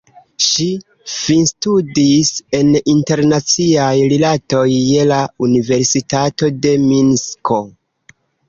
Ŝi finstudis en internaciaj rilatoj je la Universitato de Minsko.